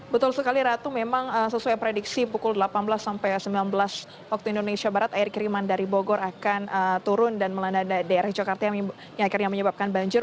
betul sekali ratu memang sesuai prediksi pukul delapan belas sampai sembilan belas waktu indonesia barat air kiriman dari bogor akan turun dan melanda daerah jakarta yang akhirnya menyebabkan banjir